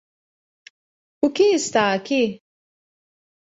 O que está aqui?